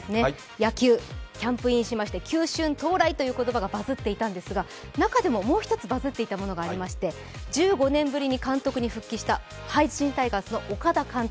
野球、キャンプインしまして球春到来という言葉がバズっていたんですが、中でももう一つ、バズっていたものがありまして、１５年ぶりに監督に復帰した阪神タイガースの岡田監督。